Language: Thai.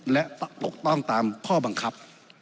และปกต้องตามข้อบังคับ